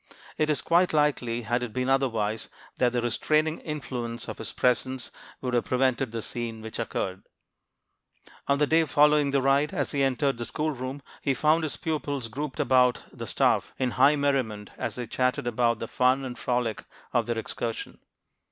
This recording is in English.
It is quite likely, had it been otherwise, that the restraining influence of his presence would have prevented the scene which occurred. On the day following the ride, as he entered the schoolroom, he found his pupils grouped about the stove, in high merriment, as they chatted about the fun and frolic of their excursion.